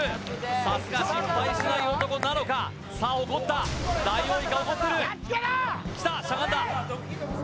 さすが失敗しない男なのかさあ怒ったダイオウイカ怒ってるやっつけろ！